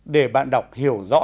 để bạn đọc hiểu rõ